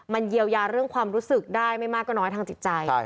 มันเยียวยาเรื่องความรู้สึกได้ไม่มากก็น้อยทางจิตใจ